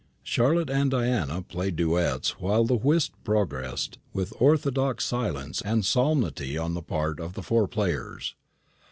Charlotte and Diana played duets while the whist progressed, with orthodox silence and solemnity on the part of the four players.